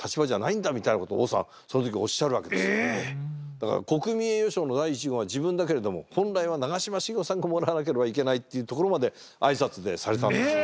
だから国民栄誉賞の第１号は自分だけれども本来は長嶋茂雄さんがもらわなければいけないっていうところまで挨拶でされたんですよ。